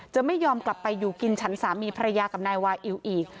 จะไม่ยอมกลับไปอยู่กินฉันสามีภรรยากับนายวาอิวอีก